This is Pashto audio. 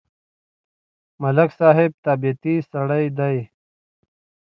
ملک صاحب طبیعتی سړی دی.